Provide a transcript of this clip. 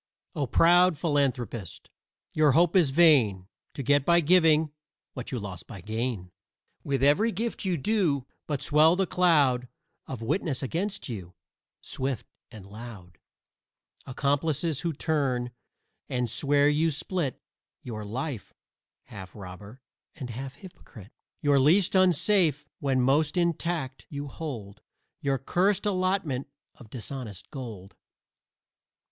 O proud philanthropist, your hope is vain To get by giving what you lost by gain. With every gift you do but swell the cloud Of witnesses against you, swift and loud Accomplices who turn and swear you split Your life: half robber and half hypocrite. You're least unsafe when most intact you hold Your curst allotment of dishonest gold.